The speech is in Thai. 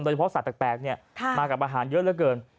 โดยเฉพาะสัตว์แปลกมากับอาหารเยอะแล้วเกิน